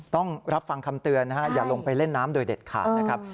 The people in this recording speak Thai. ต้องรับฟังคำเตือนอย่าลงไปเล่นน้ำโดยเด็ดขาด